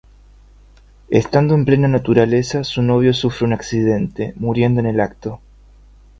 Estando en plena naturaleza, su novio sufre un accidente, muriendo en el acto.